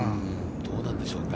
どうなんでしょうか。